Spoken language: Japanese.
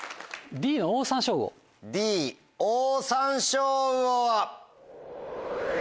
「Ｄオオサンショウウオ」は？